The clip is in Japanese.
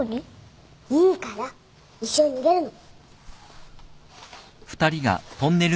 いいから一緒に逃げるの。